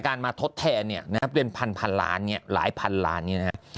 การมาทดแทนเนี่ยเป็นพันพันล้านเนี่ยหลายพันล้านเนี่ยนะ